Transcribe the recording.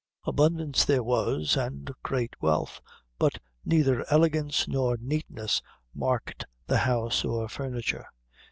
Abundance there was, and great wealth; but neither elegance nor neatness marked the house or furniture.